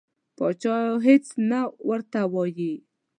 پاچا هیڅ نه ورته وایي.